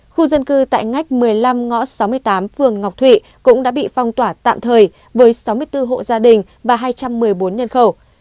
khu dân cư tại ngách một mươi năm ngõ sáu mươi tám phường ngọc thụy cũng đã bị phong tỏa tạm thời với sáu mươi bốn hộ gia đình và hai trăm một mươi bốn nhân khẩu